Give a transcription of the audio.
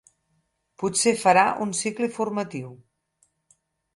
Potser farà un cicle formatiu.